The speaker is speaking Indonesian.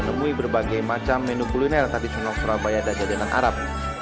dan menemui berbagai macam menu kuliner tradisional surabaya dan jajanan arab